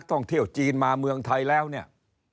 ท่องเที่ยวจีนมาเมืองไทยแล้วเนี่ย